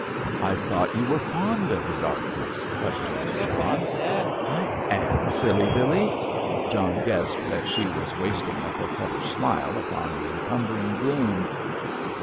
"I thought you were fond of the darkness?" questioned John. "I am, silly Billy." John guessed that she was wasting a coquettish smile upon the encumbering gloom.